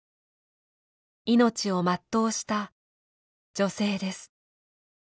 命を全うした女性です。